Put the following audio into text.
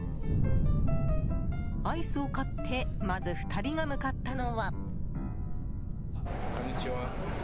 アイスを買ってまず２人が向かったのは。